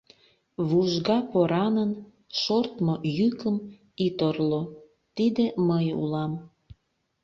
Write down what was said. Вужга поранын шортмо йӱкым Ит орло — тиде мый улам.